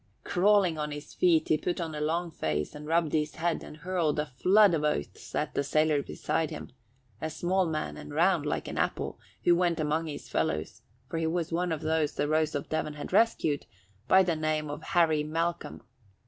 Crawling on his feet, he put on a long face and rubbed his head and hurled a flood of oaths at the sailor beside him, a small man and round like an apple, who went among his fellows for he was one of those the Rose of Devon had rescued by the name of Harry Malcolm.